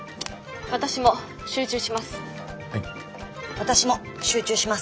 私も集中します。